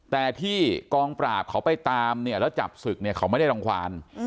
แต่ที่กองปราบเขาไปตามเนี่ยแล้วจับศึกเนี่ยเขาไม่ได้รังความ